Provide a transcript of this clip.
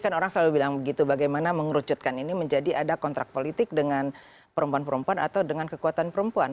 kan orang selalu bilang begitu bagaimana mengerucutkan ini menjadi ada kontrak politik dengan perempuan perempuan atau dengan kekuatan perempuan